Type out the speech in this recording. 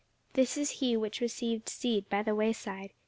This is he which received seed by the way side.